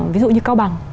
ví dụ như cao bằng